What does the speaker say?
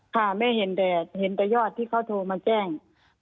ค่ะแม่เห็นแต่ยอดที่เขาโทรมาแจ้ง